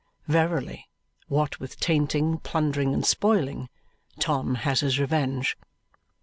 Verily, what with tainting, plundering, and spoiling, Tom has his revenge.